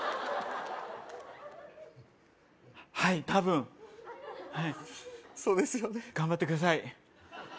はい多分はいそうですよね頑張ってください